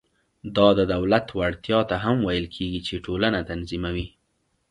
دا د دولت وړتیا ته هم ویل کېږي چې ټولنه تنظیموي.